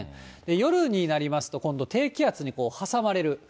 夜になりますと、今度、低気圧に挟まれる。